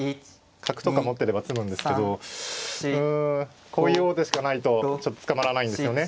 角とか持ってれば詰むんですけどうんこういう王手しかないとちょっと捕まらないんですよね。